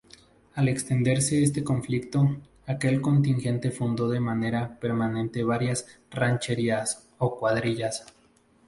Al extenderse este conflicto, aquel contingente fundó de manera permanente varias rancherías o "cuadrillas".